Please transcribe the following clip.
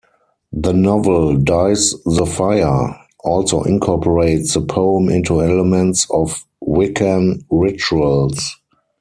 The novel "Dies the Fire" also incorporates the poem into elements of Wiccan rituals.